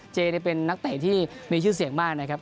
เป็นนักเตะที่มีชื่อเสียงมากนะครับ